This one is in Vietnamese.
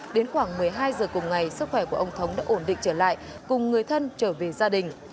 đến khoảng một mươi hai giờ cùng ngày sức khỏe của ông thống đã ổn định trở lại cùng người thân trở về gia đình